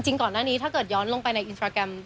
ก่อนหน้านี้ถ้าเกิดย้อนลงไปในอินสตราแกรม